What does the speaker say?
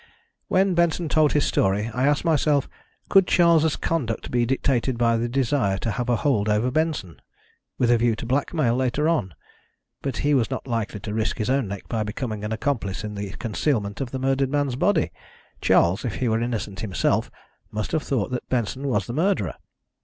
"When Benson told his story I asked myself, Could Charles' conduct be dictated by the desire to have a hold over Benson with a view to blackmail later on? But he was not likely to risk his own neck by becoming an accomplice in the concealment of the murdered man's body! Charles, if he were innocent himself, must have thought that Benson was the murderer.